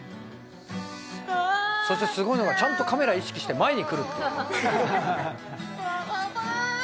そしてすごいのが、ちゃんとカメラを意識して前に来る。